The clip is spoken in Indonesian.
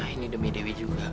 ini demi dewi juga